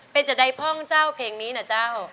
เป็นจะได้พ่องเจ้าเพลงนี้นะเจ้า